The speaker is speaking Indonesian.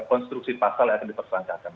konstruksi pasal yang akan dipersangkakan